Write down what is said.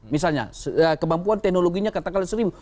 misalnya kemampuan teknologinya katakanlah seribu